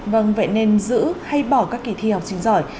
vâng vậy nên giữ hay bỏ các kỳ thi học sinh giỏi